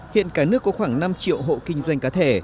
hiện cả nước có khoảng năm triệu hộ kinh doanh cá thể